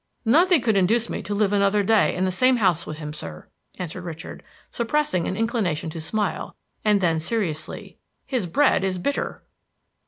"Nothing could induce me to live another day in the same house with him, sir," answered Richard, suppressing an inclination to smile; and then seriously, "His bread is bitter."